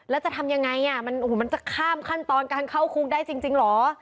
แล้วจะทำยังไงมันจะข้ามขั้นตอนการเข้าคุกได้จริงเหรอ